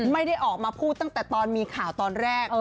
ไม่ได้ออกมาพูดตั้งแต่ตอนมีข่าวตอนแรก